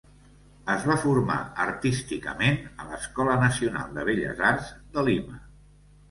Es va formar artísticament a l'Escola Nacional de Belles Arts de Lima.